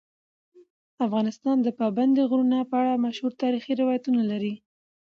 افغانستان د پابندی غرونه په اړه مشهور تاریخی روایتونه لري.